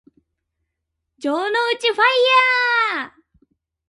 城之内ファイアー